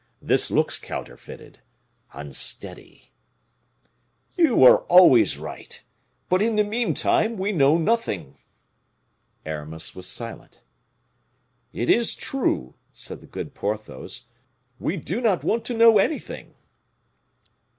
This looks counterfeited unsteady " "You are always right; but, in the meantime, we know nothing." Aramis was silent. "It is true," said the good Porthos, "we do not want to know anything."